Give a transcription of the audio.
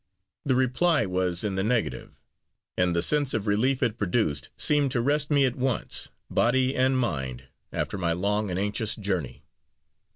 The reply was in the negative; and the sense of relief it produced seemed to rest me at once, body and mind, after my long and anxious journey.